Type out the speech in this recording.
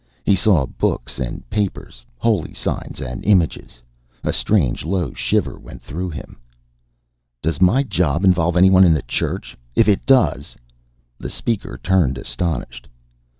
He saw books and papers, holy signs and images. A strange low shiver went through him. "Does my job involve anyone of the Church? If it does " The Speaker turned, astonished.